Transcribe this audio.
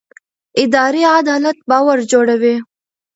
اداري عدالت باور جوړوي